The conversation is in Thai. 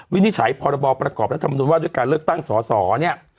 วิธีใช้พอร์บอบประกอบรัฐมนูนว่าด้วยการเลิกตั้งสหสอเนี่ย